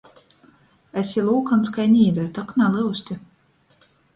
Esi lūkons kai nīdre, tok nalyusti.